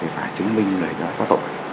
phải chứng minh lời đó có tội